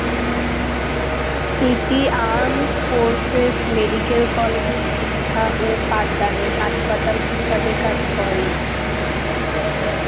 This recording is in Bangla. এটি আর্মড ফোর্সেস মেডিকেল কলেজের শিক্ষা ও পাঠদানের হাসপাতাল হিসাবে কাজ করে।